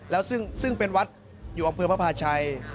แล้วซึ่งเป็นวัดอยู่อำเภอพระพาชัย